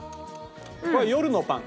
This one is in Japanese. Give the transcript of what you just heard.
これ夜のパン。